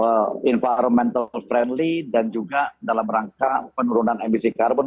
untuk environmental friendly dan juga dalam rangka penurunan emisi karbon